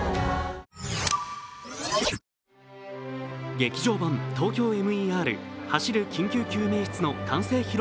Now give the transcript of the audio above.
「劇場版ＴＯＫＹＯＭＥＲ走る緊急救命室」の完成披露